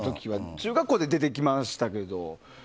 中学校で出てきましたけど。